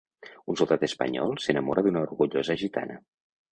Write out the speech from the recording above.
Un soldat espanyol s'enamora d'una orgullosa gitana.